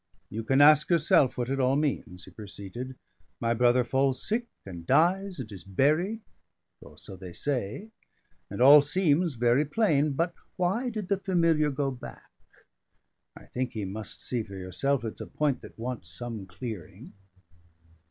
"You can ask yourself what it all means," he proceeded. "My brother falls sick, and dies, and is buried, or so they say; and all seems very plain. But why did the familiar go back? I think ye must see for yourself it's a point that wants some clearing."